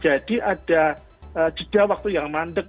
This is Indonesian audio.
jadi ada jidat waktu yang mandek